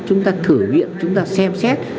chúng ta thử viện chúng ta xem xét